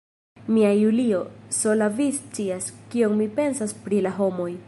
Mia Julio, sola vi scias, kion mi pensas pri la homoj.